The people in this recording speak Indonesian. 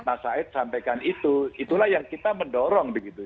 mas said sampaikan itu itulah yang kita mendorong begitu